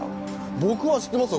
僕は知ってますよ。